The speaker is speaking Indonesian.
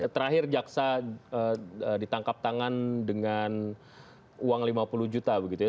terakhir jaksa ditangkap tangan dengan uang lima puluh juta begitu ya